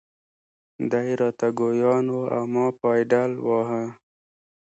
دی را ته ګویان و او ما پایډل واهه.